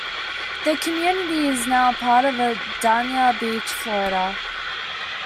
The community is now a part of Dania Beach, Florida.